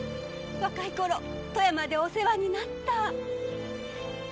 若い頃富山でお世話になった。